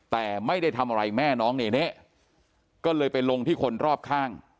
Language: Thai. แต่ไม่ได้ทำอะไรแม่น้องเนเน่ก็เลยไปลงที่คนรอบข้าง